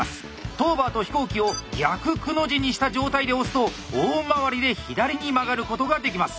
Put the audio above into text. トーバーと飛行機を「逆くの字」にした状態で押すと大回りで左に曲がることができます。